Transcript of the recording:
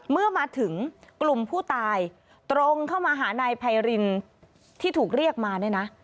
เมื่อมาถึงกลุ่มผู้ตายตรงเข้ามาหานายไพรินที่ถูกเรียกมาเนี่ยนะ